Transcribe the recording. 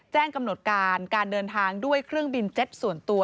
กำหนดการการเดินทางด้วยเครื่องบินเจ็ตส่วนตัว